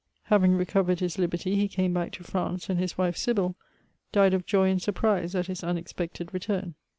Having recovered his liberty, he came back to France, and his wife, Sybille, died of joy and surprise at his unexpected' return.